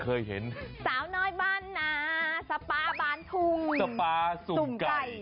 ใช่สาวน้อยบ้านหนาสปาบ้านทุ่งสปาสุ่มไก่